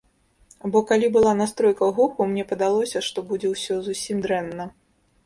Бо калі была настройка гуку, мне падалося, што будзе ўсё зусім дрэнна.